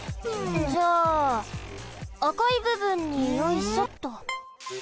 じゃああかいぶぶんによいしょっと。